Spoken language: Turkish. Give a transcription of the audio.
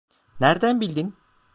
Nereden bildin?